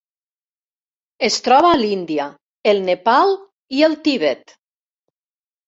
Es troba a l'Índia, el Nepal i el Tibet.